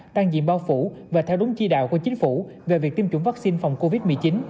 tăng diện bao phủ và theo đúng chi đạo của chính phủ về việc tiêm chủng vaccine phòng covid một mươi chín